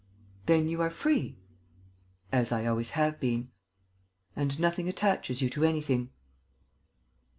"Then you are free?" "As I always have been." "And nothing attaches you to anything?"